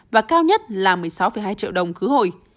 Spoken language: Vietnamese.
và cao nhất là một mươi sáu hai triệu đồng khứ hồi